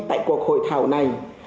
tại cuộc hội thảo này